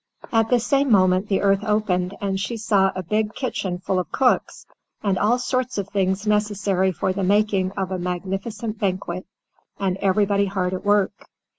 At the same moment the earth opened and she saw a big kitchen full of cooks, and all sorts of things necessary for the making of a magnificent banquet, and everybody hard at work.